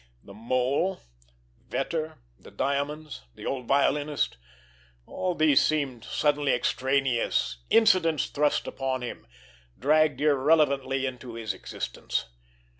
The Mole, Vetter, the diamonds, the old violinist—all these seemed suddenly extraneous, incidents thrust upon him, dragged irrelevantly into his existence.